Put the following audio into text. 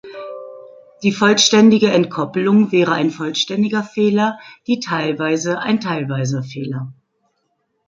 Die vollständige Entkoppelung wäre ein vollständiger Fehler, die teilweise ein teilweiser Fehler.